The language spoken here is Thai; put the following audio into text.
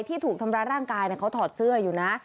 ที่ถูกทำร้ายร่างกายเขาถอดเสื้ออยู่นะ